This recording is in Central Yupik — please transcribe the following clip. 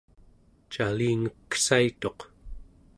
calingeksaituq